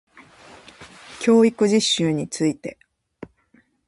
教育実習について